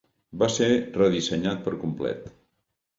Va ser redissenyat per complet.